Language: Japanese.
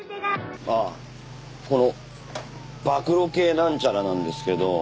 ああこの暴露系なんちゃらなんですけど。